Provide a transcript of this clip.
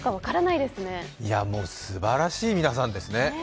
いや、もうすばらしい皆さんですね。